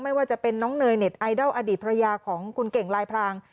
ไม่ว่าจะเป็นน้องเนยเน็ตไอดอลอดีตภรรยาของคุณเก่งลายพราง